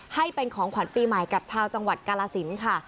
ให้เป็นของขวัญปีใหม่กับชาวจังหวัดกาลสินค่ะ